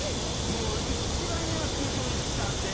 もう一番嫌なシチュエーションがいくつかあって。